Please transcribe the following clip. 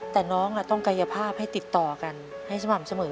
แต่น้องต้องกายภาพให้ติดต่อกันให้สม่ำเสมอ